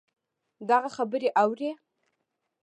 دغـه خبـرې اورې